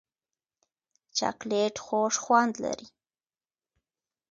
چاکلېټ خوږ خوند لري.